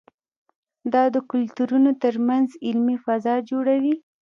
دا د کلتورونو ترمنځ علمي فضا جوړوي.